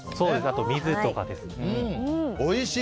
あと水とかですね。